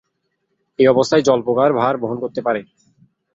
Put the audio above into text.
এই অবস্থায় জল পোকার ভার বহন করতে পারে।